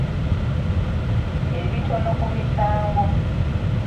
Ebitono ku misango.